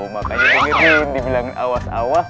makanya pengen dibilangin awas awas